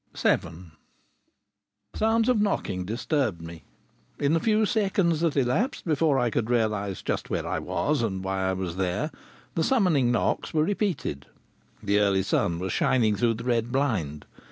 VII Sounds of knocking disturbed me. In the few seconds that elapsed before I could realize just where I was and why I was there, the summoning knocks were repeated. The early sun was shining through the red blind.